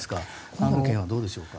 今回の件はどうでしょうか。